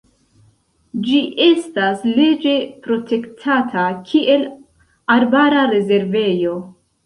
Ĝi estas leĝe protektata kiel arbara rezervejo.